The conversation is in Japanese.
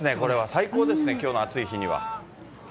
最高ですね、きょうの暑い日には。